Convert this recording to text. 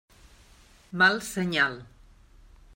Mal senyal.